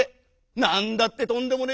「なんだってとんでもねえ！